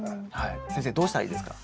先生どうしたらいいですか？